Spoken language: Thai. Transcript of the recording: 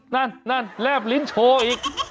นั่นนั่นแลบลิ้นโชว์อีก